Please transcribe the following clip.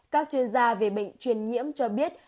các chuyên gia về bệnh truyền nhiễm cho biết